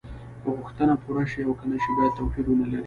که غوښتنه پوره شي او که نشي باید توپیر ونلري.